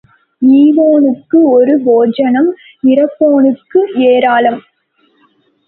ஈவோனுக்கு ஒரு போஜனம் இரப்போனுக்கு ஏராளம்.